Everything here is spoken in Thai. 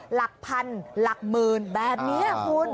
หลักพันหลักหมื่นแบบนี้คุณ